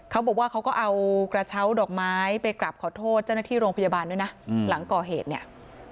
เขาก็เอากระเช้าดอกไม้ไปกลับขอโทษเจ้าหน้าที่โรงพยาบาลด้วยนะหลังก่อเหตุเนี่ย